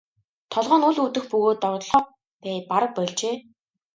Толгой нь үл өвдөх бөгөөд доголохоо бараг больжээ.